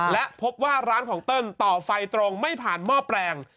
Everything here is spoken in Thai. และพบว่าร้านของเติ้ลต่อไฟตรงไม่ผ่านหม้อแปลง